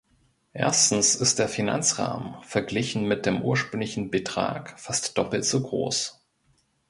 Erstens ist der Finanzrahmen, verglichen mit dem ursprünglichen Betrag, fast doppelt so groß.